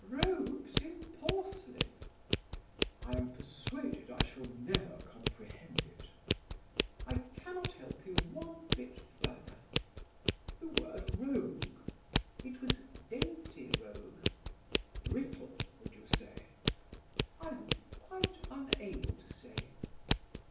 "Rogues in porcelain." "I am persuaded I shall never comprehend it." "I cannot help you one bit further." "The word rogue!" "It was dainty rogue." "Brittle, would you say?" "I am quite unable to say."